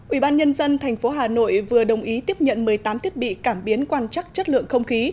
ủy ban nhân dân tp hà nội vừa đồng ý tiếp nhận một mươi tám thiết bị cảm biến quan trắc chất lượng không khí